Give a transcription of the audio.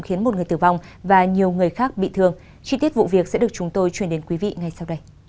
khiến một người tử vong và nhiều người khác bị thương chi tiết vụ việc sẽ được chúng tôi chuyển đến quý vị ngay sau đây